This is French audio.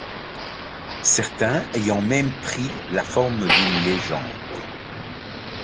Certains ayant même pris la forme d'une légende.